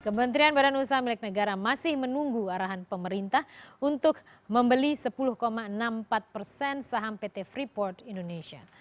kementerian badan usaha milik negara masih menunggu arahan pemerintah untuk membeli sepuluh enam puluh empat persen saham pt freeport indonesia